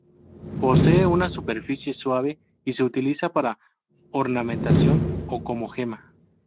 Posee una superficie suave y se utiliza para ornamentación o como gema.